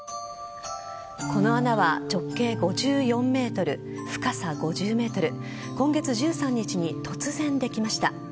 この穴は直径５４ｍ深さ５０ｍ今月１３日に突然できました。